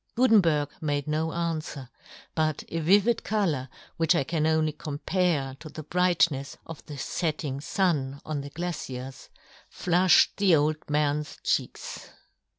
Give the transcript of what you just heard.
Gutenberg made no anfwer, but a vivid colour, which I can only com pare to the brightnefs of the fetting fun on the glaciers, flufhed the old man's cheeks.